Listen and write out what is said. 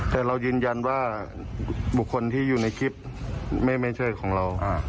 แต่เรายืนยันว่าบุคคลที่อยู่ในคลิปไม่ใช่ของเรา